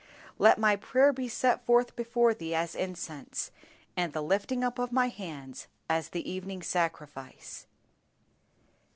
"LET MY PRAYER BE SET FORTH BEFORE THEE AS INCENSE: AND THE LIFTING UP OF MY HANDS AS THE EVENING SACRIFICE."